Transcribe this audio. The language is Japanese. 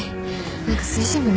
何か推進部の。